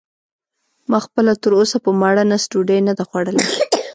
ما خپله تراوسه په ماړه نس ډوډۍ نه ده خوړلې.